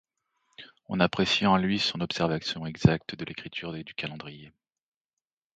On apprécie en lui son observation exacte de l'écriture et du calendrier.